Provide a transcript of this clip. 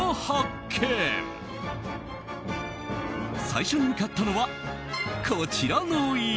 最初に向かったのはこちらの家。